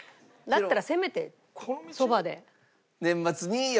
だったらせめてそばで。